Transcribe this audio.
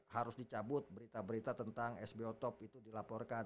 harus dicabut berita berita tentang sbo top itu dilaporkan